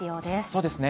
そうですね。